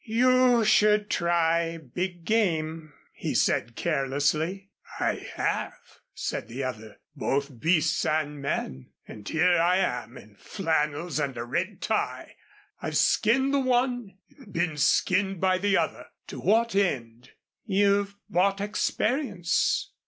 "You should try big game," he said, carelessly. "I have," said the other; "both beasts and men and here I am in flannels and a red tie! I've skinned the one and been skinned by the other to what end?" "You've bought experience."